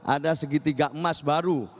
ada segitiga emas baru